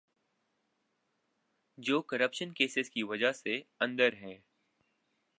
جو corruption cases کی وجہ سے اندر ہیں۔